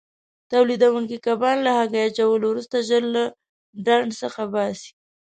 تولیدوونکي کبان له هګۍ اچولو وروسته ژر له ډنډ څخه باسي.